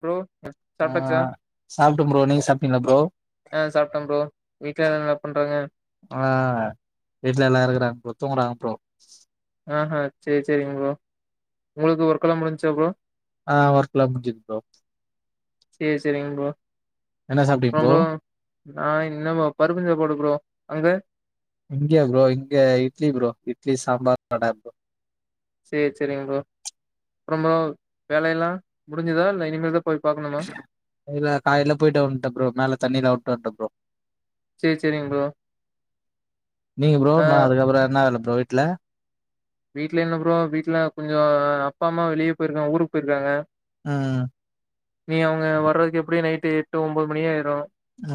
ப்ரொ ஆஹ் சாப்ட ப்ரோ நீங்க சாப்டீங்ளா ப்ரோ ஆஹ் வீட்ல எல்லா நல்லா இருக்கறாங்க ப்ரோ தூங்குறாங்க ப்ரோ ஆஹா சேர் சேரிங் ப்ரோ உங்ளுக்கு ஒர்கெல்லா முடிஞ்சா ப்ரோ ஆ ஒர்கெல்லா முடிஞ்சுது ப்ரோ சேர் சேரிங்க ப்ரோ என்ன சாப்டீங் ப்ரோ நா இன்னம பருப்புஞ் சாப்பாடு ப்ரோ அங்க இங்க ப்ரோ இங்க இட்லி ப்ரோ இட்லி சாம்பார் வட சேர் சேரிங்க ப்ரோ அப்ற ப்ரோ வேலயெல்லா முடிஞ்சுதா இல்ல இனிமேல்தா இல்ல காலைல போயிட்டு வன்ட்ட ப்ரோ மேல தண்ணிலா விட்டு வன்ட்ட ப்ரோ நீங்க ப்ரோ நா அதுக்கப்புற என்ன வேல ப்ரோ வீ ட்ல வீட்ல என்ன ப்ரோ வீட்ல கொஞ்சொ அப்பா அம்மா வெளிய போயிருக்காங்க ஊருக் போயிருக்காங்க ம் ம் நீ அவங்க வர்றதுக்கு எப்டியு நைட் எட்டு ஒம்போது மணியாயிடு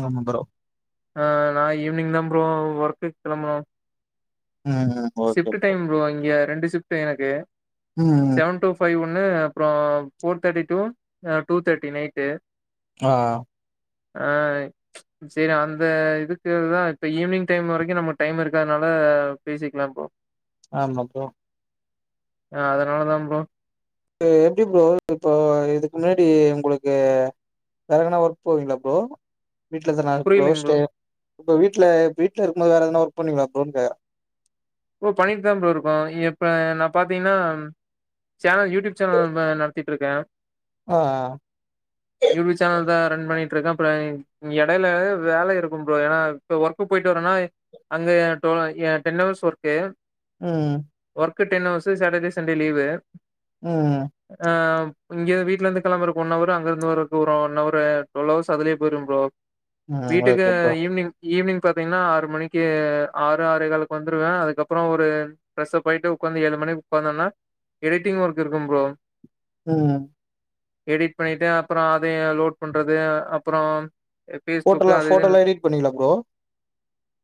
ஆமா ப்ரோ ஆ நா ஈவினிங்தா ப்ரோ ஒர்க்குக் கெளம்புனு சிப்ட் டைம் ப்ரோ அங் இங்க ரெண்டு சிப்ட்டு எனக்கு செவன் டூ பைவ் ஒன் னு அப்புறோ four thirty two two thirty night அ ஆ ஆ சேரி அந்த இதுக்குதா இப்ப ஈவினிங் டைம் வரைக்கு நம்ம டைம் இருக்கதுனால பேசிக்கலா ப்ரோ ஆமா ப்ரோ ஆ அதனால தா ப்ரோ எப்படி ப்ரோ இப்போ இதுக்கு முன்னாடி உங்ளுக்கு வேற எங்கனா ஒர்க் போவீங்களா ப்ரோ வீட்டுலதானா ப்ரோ ஸ்டே இப்ப வீட்ல வீட்ல இருக்கும்போது வேற ஏதனா ஒர்க் பண்ணீங்களா ப்ரோன்னு கே ப்ரோ பண்ணீட்டுதாம் ப்ரோ இருக்கோ இப்ப நா பாத்தீங்னா சேனல் யூடியூப் சேனல் நடத்தீட்ருக்கே யூட்டூப் சேனல் தா ரன் பண்ணீ ட்ருக்க அப்ற இங்க எடைல வேல இருக்கு ப்ரோ ஏனா ஒர்க் போயிட்டு வற்றனால அங்க two a ten hours work க்கு ம் க் ten hours Saturday Sunday leave ஆ இங்க வீட்லருந்து கெளம்பறக்கு ஒன்னவரு அங்கருந்து வற்ற தூரோ ஒன்னவரு ட்வல் ஹவர்ஸ் அதுலயே போயிரும் ப்ரோ வீட்டுக்கு ஈவினிங் ஈவினிங் பாத்தீங்னா ஆறு மணிக்கு ஆறு ஆறேகால்க்கு வந்துருவே அதுக்கப்புற ஒரு ஃப்ரஸ்சப்பாயிட்டு உட்காந்து ஏழு மணிக்கு உட்காந்தோன்னா எடிட்டிங் ஒர்க் இருக்கும் ப்ரோ ம் எடிட் பண்ணீட்டு அப்புற அதயு லோட் பண்றது அப்பறோ போட்டோல ஃபோட்டோலா எடிட் பண்ணுவீங்களா ப்ரோ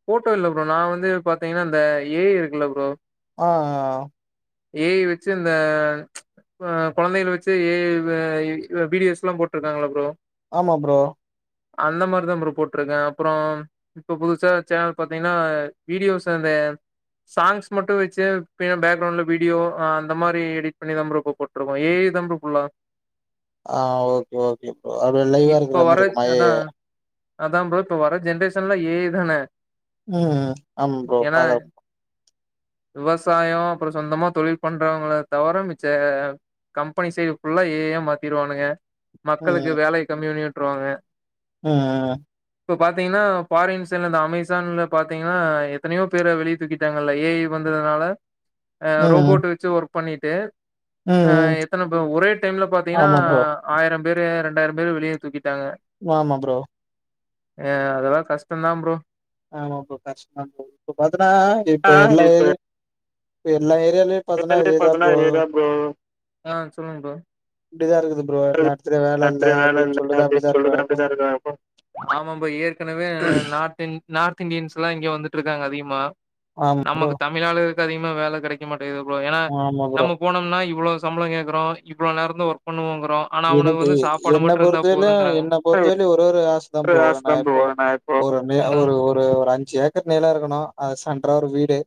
போட்டோ இல்ல ப்ரோ நா வந்து பாத்தீங்னா இந்த எ ஐ இருக்குல ப்ரோ ஆ ஆ எ ஐ வச்சு அந்த ச்ச ஆ கொழந்தைகள வச்சு எ ஐ இவ இவ் இவ பீடியெஸ்லா போட்டிருக்காங்களா ப்ரோ ஆமா ப்ரோ அந்த மாரி தா ப்ரோ போட்டிருக்கே அப்புறோ இப்ப புதுசா சேனல் பாத்தீங்கன்னா வீடியோஸ் அந்த சாங்ஸ் மட்டோ வச்சு பின்ன பேக்கிரவுண்ட்ல வீடியோ அ அந்த மாரி எடிட் பண்ணி தா ப்ரோ இப்ப போட்ருக்கோ எ ஐ தா ப்ரோ ஃபுல்லா ஆ ஓக் ஓகே ப்ரோ அப்டே லைவ்வா இருக்கற மாரி இருக்குமா ஐ எ எ அதா ப்ரோ இப்ப வர ஜென்ரேஷன்லா எ ஐ தானே ம் ஆமா ப்ரோ பாக் விவசாயோ அப்புறோ சொந்தமா தொழில் பண்றவங்கள தவிர மிச்ச கம்பெனி சைடு புல்லா ஏ ஐ யா மாத்திருவானுங்க மக்களுக்கு வேலை கம்யூனுட் விட்ருவாங்க ஆ இப்ப பாத்தீங்னா ஃபாரின்சைட்ல இந்த அமேசான்ல பாத்தீங்னா எத்தனையோ பேர வெளி தூக்கிட்டாங்கள்ள ஏ ஐ வந்ததுனால ஆ ரோபோட் வச்சு ஒரு பண்ணிட்டு ஆ எத்தன ப்ரோ ஒரே டைம்ல பாத்தீங்கனா ஆயிர பேரு ரெ ரெண்டாயிரோ பேர வெளியே தூக்கிட்டாங்க வ ஆமா ப்ரோ எ அதெல்லா கஷ்டோ தா ப்ரோ ஆமா ப்ரோ [inaudible] ஆ இப்ப பாத்தீங்கன்னா இதேதா ப்ரோ ஆ சொல்லுங்க ப்ரோ வேல இல்ல அப்படி சொல்றது அப்டிதா இருக்கு அப்புறோ ஆமா ப்ரோ ஏற்கனவே நாட்டின் நாட் திந்யன்ஸ்லா இங்க வந்துட்டுருக்காங்க அதிகமா நமக்கு தமிழ் ஆளு அதிகமா வேல கெடைக்கமாட் து [unintelligible] ஏன்னா நம்ம போனோம்னா இவ்ளோ சம்பளோ கேக்குறோ இவ்ளோ நேரந்தா ஒர்க் பண்ணுவோங்க எனக்கு என்ன பொறுத்தவரலையு ஒரு ஒரு ஆசதா ப்ரோ ஆ இப்போ ஒரு மே ஒரு ஒரு அஞ்சு ஏக்கர் நில இருக்கணு அத ச றா ஒரு வீடே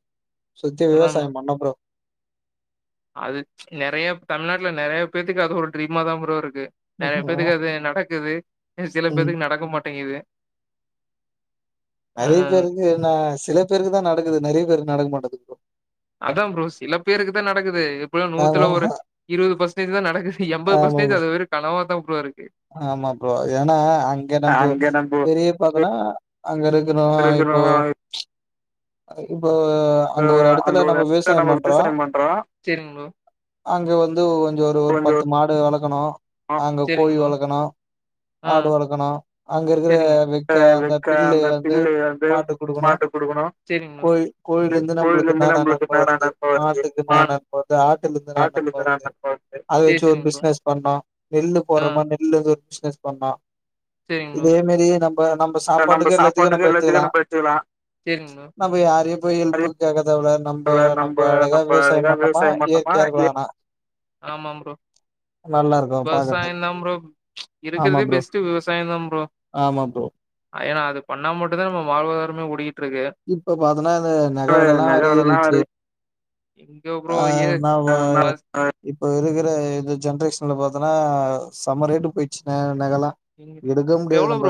சுத்தி விவசாய பண்ணு ப்ரோ அது ச்ச நெறைய தமிழ்நாட்டுல நெறைய பேத்துக்கு அது ஒரு ட்ரீம்மா தா ப்ரோ இரு நெறைய பேத்துக்கு அது நடக்குது சில பேத்துக்கு நடக்க மாட்டேங்கிது நெறைய பேருக்கு நா சில பேருக்கு தா நடக்குது நெறைய பேருக்கு நடக்க மாட்டுது ப்ரோ அதா ப்ரோ சில பேருக்கு தா நடக்குது இப்பலா நூத்துல ஒரு இருவது பெர்சன்டேஜ் தா நடக்குது எண்பது பெர்சன்டேஜ் அது வெறு கனவா தா ப் ரோ ஆமா ப்ரோ ஏன்னா அங்க நம்போ பெரியப் பாத்தோன்னா அங்கருக்கணும் இப்போ ப்ச் அஹ் இப்போ ப்ப அங்க ஒரு எடத்துல நம்ம விவசாயம் பண்றோம் அங்க வந்து ஓ ஞ்சோ ஒரு ஒரு பத்து மாடு வளக்கணும் அங்க கோயி வளக்கணும் ஆடு வளக்கணும் அங்க இருக்கிற வக்கே அந்த பில்லு வந்து மாட்டுக் குடுக்கணும் கோயி கோயில இருந்து நம்பளுக்கு என்னன்ன நன்ம வருது மாட்டுக்கு என்னா நன்ம வருது ஆட்டுல இருந்து என்னா நன்ம வருது அத வச்சு ஒரு பிசினஸ் பண்ணோம் நெல்லு போட்ற மாரி நெல்லுல இருந்து ஒரு பிசினஸ் பண்ண இது தே மாரி தா நம் ல்ல நம்ப சாப்பாட்டுக்கு எல்லாத்துக்கும் நம்ப எடுத்துக்கலாம் சேர் நம்ப யாரையு போயி ஹெல்ப்புக் கேக்க்த் தேவயில்ல நம்ப நம்ப அழகா விவசாயம் பண்ணோமா இயற்கையா இருக்கலான்னா ஆமாம் ப்ரோ விவசாயந்தா ப்ரோ ப்ச் இருக்கறதே பெஸ்ட்டு விவசாயம்தா ப்ரோ அ ஏன்னா அது பண்ணா மட்டுந்தா நம்ம வாழ்வாதாரமே ஓடிக்கிட் இப்ப பாத்தோன்னா இந்த நகவெல எல்லாம் வேற ஏறிடுச்சு ஆஹ் நாவெ இப்ப இருக்கிற இந்த ஜென்ரேஷன்ல பாத்தன்னா செம்ம ரேட்டு போயிடுச்சு ஆஹ் - நகெல்லாம் எடுக்க முடியாது நம்ப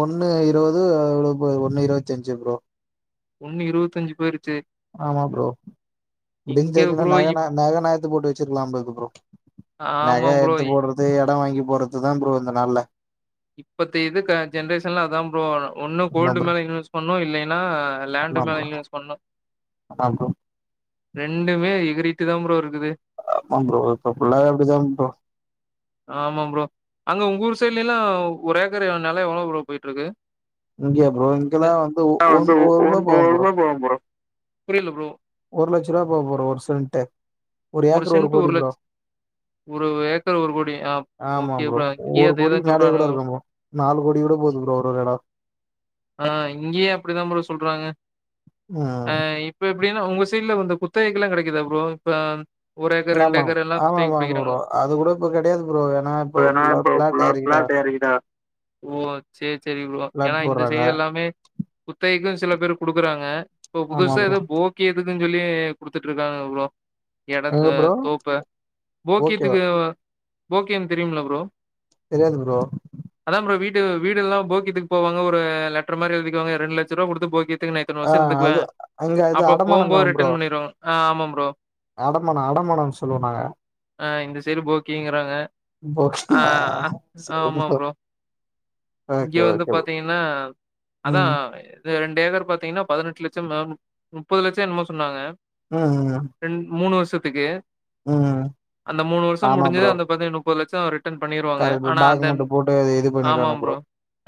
ஒன்னு இருவது எவ்வுளோ ஒன்னு இருவத்தி அஞ்சு ப்ரோ ஆமா ப்ரோ இப்பிடின்னு தெரி்ஞ்சுர்ந்தா நக ந - நக நா எடுத்து போட்டு வச்சிருக்கலாம் போலருக்கு ப்ரோ. நக எடுத்து போடுறது இடம் வாங்கி போறதுதா ப்ரோ இந்த நாள்ல்ல இப்பத்தய இது க ஜென்ரேஷன்லாம் அதா ப்ரோ ஒன்னு கோல்டு மேல இன்வெஸ்ட் பண்ணணும் இல்லேய்ன்னா ஆஹ் லண்டு மேல இன்வெஸ்ட் பண்ணணும் ரெண்டு வே எகரிட்டு தான் ப்ரோ இருக் ஆமா ப்ரோ இப்ப ஃபுல்லாவே அப்படிதா ப்ரோ ல்ல ஒரு ஏக்கர் நெலோ எவ்ளோ வெல போயிகிட்டு இருக்கு இங்கேயா ப்ரோ இங்கெலாம் வந்து ஒன் ஒரு கிலோ போகும் ப்ரோ புரியல ப்ரோ ஒரு லட்சம் ரூவா ப்ரோ ஒர் ஒரு சென்டே ஒரு ஏக்கர் ஒரு கோடி ப்ரோ. ஆமா ப்ரோ ஒரு கோடி மேலேயே கூட இருக்கு ப்ரோ. நாலு கோடி கூட போது ப்ரோ ஒருரோரு எடம் ஆஹ் இங்கேயே அப்படித்தா ப்ரோ சொல்றாங்க அஹ் இப் எப்டின்னா உங்க சைட்ல வந்து குத்தகைக்குல்லா கடைக்கிதா ப்ரோ இப்ப ஒரு ஏக்கர் ரெண்ட் ஏக்கர் எல்லா குத்தகைக்கு புடிக்கிறாங்கல்ல, ஓ, சேரி சேரி ப்ரோ, ஏனா இந்த அது எல்லாமே குத்தகைக்கு சில பேரு குடுக்குறாங்க இப்ப புதுசா எதோ போக்கியதுக்கு ன்னு சொல்லி குடுத்துட்ருக்காங்க ப்ரோ எடத்த தோப்ப போக்கீயத்துக்கு போக்கியம் தெரியுமல்ல ப்ரோ தெரியாது ப்ரோ வீடெல்லா போக்கியத்துக்கு போவாங்க ஒரு லெட்டர் மாரி எழுதிக்குவாங்க ரெண்டு லட்சருவா குடுத்து போக்கியத் துக்கு நா இத்தன வருஷ இருந்துக்குவ அப்போ போவும்போது ரிட்டன் பண்ணிருவாங்க ஆ ஆமாாம் ப்ரோ அடமான அடமானம்னு சொல்வோ நாங்க போக்கியா சரி வுடுங்கோ இங்க வந்து பாத்திங்கனா அதா ரெண்டு ஏக்கர் பாத்திங்கனா பதினெட்டு லட்ச மேம் முப்பது லட்ச என்னமோ சொன்னாங்க ரெண்ட் மூணு வரு ஷத்துக்கு அந்த மூணு வருஷ முடிஞ்சது அந்த பதி னெட்டு லட்ச கரெக்ட் ஒரு டாக்குமெண்ட போட்டு அத இது பண்ணிடுவாங்க ப்ரோ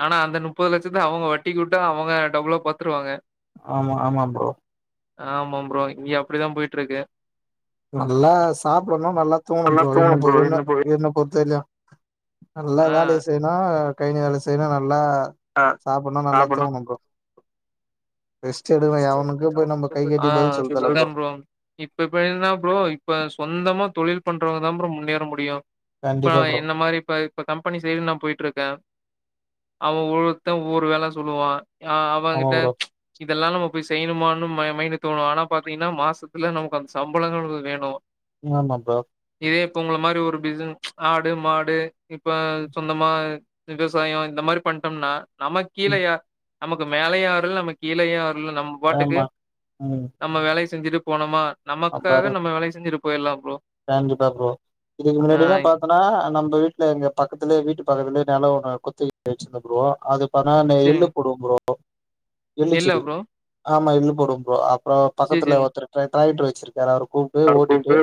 ஆனா அந்த நுப்பது லட்சத்த அவங்க வட்டிக்கு வுட்டு அவங்க டபுளா பாத்துருவாங்க ஆமா ஆமா ப்ரோ ஆமா ப்ரோ இங்க அப்படிதா போய்ட்டிருக்கு நல்லா சாப்பிடணு நல்லா தூங்கணு ப்ரோ அது என்ன பொ என்ன என்ன பொறுத்தவர்லயு நல்லா வேலய செய்யணு கய்னி வேல செய்யணு நல் லா சாப்படனு நல்லா தூங்கனு ப்ரோ ஆ இவ்ளதா ப்ரோ இப்ப எப்படினா ப்ரோ இப்ப சொந்தமா தொழில் பண்றவங்கதா ப்ரோ முன்னேற முடியு இப்ப என்ன மாரி இப்ப இப்ப கம்பெனி சைடு நா போயிட்ருக்க அவ ஒருத்த ஒவ்வொரு வேல சொல்லுவா ஆ அவங்கிட்ட இதெல்லா நம்ம போய் செய்யணுமானு ம மைன்டு தோணு ஆனா பாத்தீங்னா மாசத்துல நமக்கு அந்த சம்பளங்களுவு வேணு ஆமாம்பா இதே இப்ப உங்கள மாரி ஒரு பிஸ் ஆடு மாடு இப்ப சொந்தமா விவசாயோ இந்த மாரி பண்டம்னா நமக் கீலையா நமக்கு மேலையு யாறுல்ல நமக் கீலையார் ந்த நம்ம பாட்டுக்கு நம்ம வேலைஸ் செஞ்சுட்டு போனமா நமக்காக நம்ம வேலய செஞ்சிருப் பொயர்லாம் காண்டிப்பா ப்ரோ இதுக்கு முன்னாடில பாத்தனா நம்ம வீட்ல இங்க பக்கத்துலயே வீட்டு பக்கத்துலயே நெலோ ஒன்னு குத்துகை வச்சிர்ந்த ப்ரோ அது பனா நெய்லு குடு ப்ரோ ஒ எள்ளுச்செடி ஆமா எள்ளு பரும்ப அப் அப்றோ பக்கத்துல ஒருத்தரட்ரை ட்ராய்ட்ரு வச்சிரு யாரரு கூப்டு ஓட்டிட்டு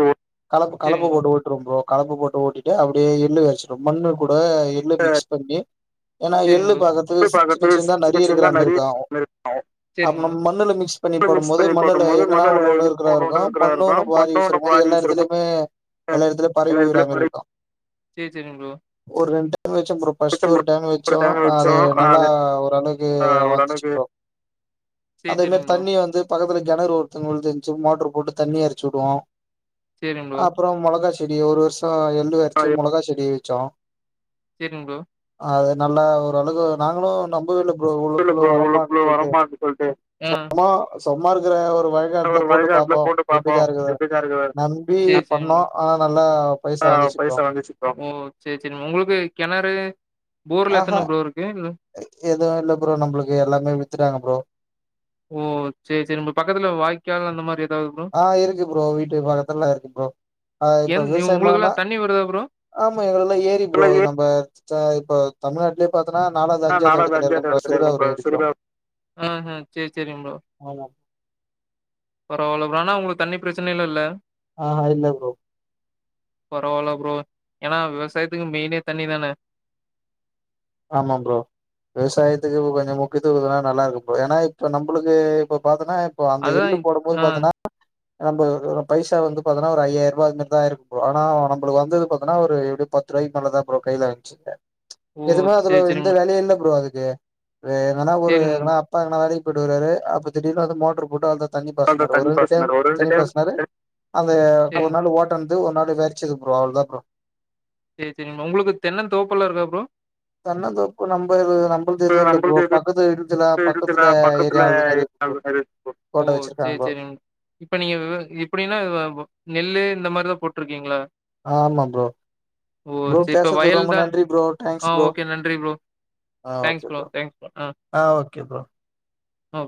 கலப்பு கலப்ப போட்டு ஓட்ரோ ப்ரோ கலப்பு போட்டு ஓட்டிட்டு அப்டியே எள்ளு வெச்சிரு மண்ணு கொட் ப எள்ளு மிக்ஸ் பண்ணி ஏனா எள்ளு பக்கத்து சின்ன சின்னதா நெறையா இருக்குற மாரிக்காவு அப் நம்மண்ணுல மிக்ஸ் பண்ணி போடும்போது மண்ணுல எங்கனா ஒன்னு ஒன்னு இருக்ராருக்கு மண்ணூ நம்ம வாரி வீசுர போது எல்லா எடத் அ எல்லா இடத்துல பரவி வுர மாரி இருக்கோ ஒ வச்ச ப்ரோ பர்ஸ்ட் ஒரு டேங் வச்சோ அது நல்லா ஓரளவ்க் கூ வந்துச்சு ப்ரோ அதே மாரி தண்ணி வந்து பக்கத்துல கெணறு ஒருத்தவ்ங்ல்து சு மோட்டரு போட்டு தண்ணி எரச்சி விடுவோ அப்றோ மொளகாச் செடி ஒரு வருஷோ [unintelligible] மொளகா செடி ச்சோ சேரிங் ப்ரோ அது நல்லா ஓரளகு நாங்களு நம் [unintelligible] உள்ளுக்குள்ள வரமானு சொல்லிட்டு அ சொம்மாருக்குற ஒரு ஒரு வயகாட்ல போட்டு பாப்போ எப்படிதா இரு சேர் சேரிங் ப்ரோ ஓ சேர் சேரிங் உங்களுக்கு கெணறு ஆஹா எதுவு இல்ல ப்ரோ நம்மளுக்கு எல்லாமே வித்துட்டாங்க ப்ரோ ஆ இருக்கு ப்ரோ வீட்டு பக்கத்துல இருக்கு ப்ரோ, ஆ இப்ப விவசாயம் பண்ணுனா ஆமா எங்களுக்குல்லா ஏரி ப்ரோ நம்ப சா இப்ப தமிழ்நாட்லயே பாத் ம் ம் சேரி சேரிங் ப்ரோ, பரவால்ல ப்ரோ ஆனா உங்களுக் தண்ணி பிரச்சனைல்லா இல்ல ஆ இல்ல ப்ரோ பரவாயில்ல ப்ரோ, ஏன்னா விவசாயத்துக்கு மெயினே தண்ணி தான ஆமா ப்ரோ, விவசாயத்துக்கு இப்ப கொஞ்சோ முக்கியத்துவம் குடுத்தா நல்லா இருக்கு இப்போ ஏன்னா இப்ப நம்பளுக்கு இப்ப பாத்தன்னா இப்ப அந்த எள்ளு போடும் போது பாத்தன்னா நம்ப ஒரு பைசா வந்து பாத்தன்னா ஒரு ஐயாயிரரூபா அதுமேரிதா ஆயிருக்கு ப்ரோ ஆனா நம்பளுக்கு வந்தது பாத்தன்னா ஒரு எப்டியு பத்து ரூவாய்க்கு மேலதா ப்ரோ கையில வந்துச்சு எதுமே அதுல எந்த வேலையு இல்ல ப்ரோ அது து அது என்னனா ஒரு எங்கனா அப்பா எங்கனா வேலக்கி போயிட்டு வருவாரு அப்ப திடீர்னு வந்து மோட்டர் போட்டா அந்த தண்ணி பாச்சினாரு ஒரு ரெண்டு டைம் தண்ணி பாச்சினாரு அந்த ஒரு நாள் ஓட்டன் வந்து ஒருநாள் போய் அடிச்சிது ப்ரோ, அவ்ளோதா ப்ரோ சேர் சேரிங் உங்களுக்கு தென்னந் தோப்பெல்லா இருக்கா ப்ரோ ஓ சேர் சேரிங் இப்ப நீங்க விவ இப்பிடின்னா வ நெல்லு இந்த மாரி போட்டிருக்கிங்ள ஆமா ப்ரோ ப்ரோ பேசறதுக்கு ரொம்ப நன்றி ப்ரோ டேங்க்ஸ் ப்ரோ ஆ ஓகே ப்ரோ ஆ ஓகே ப்ரோ ஆ